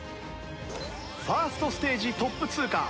ファーストステージトップ通過